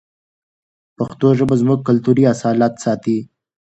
پښتو ژبه زموږ کلتوري اصالت ساتي.